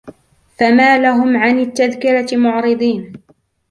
فما لهم عن التذكرة معرضين